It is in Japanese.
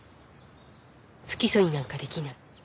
不起訴になんか出来ない。